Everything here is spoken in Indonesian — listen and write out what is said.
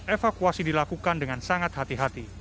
evakuasi dilakukan dengan sangat hati hati